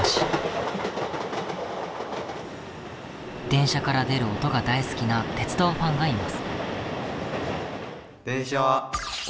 電車から出る音が大好きな鉄道ファンがいます。